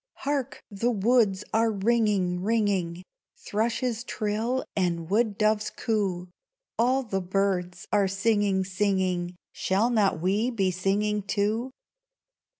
Hark! the woods are ringing, ringing, Thrushes trill and wood doves coo; All the birds are singing, singing, Shall not we be singing, too?